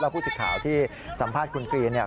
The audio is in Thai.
และผู้ชิดข่าวที่สัมภาษณ์คุณกลี